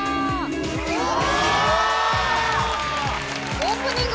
オープニング